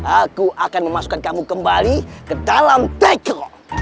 aku akan memasukkan kamu kembali ke dalam taco